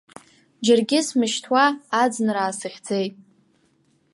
Џьаргьы смышьҭуа, аӡынра аасыхьӡеит.